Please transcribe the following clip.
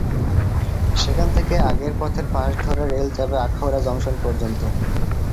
সেখান থেকে আগের পথের পাশ ধরে রেল যাবে আখাউড়া জংশন পর্যন্ত।